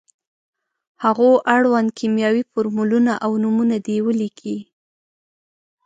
هغو اړوند کیمیاوي فورمولونه او نومونه دې ولیکي.